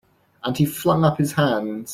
And he flung up his hands.